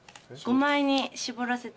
５枚に絞らせて。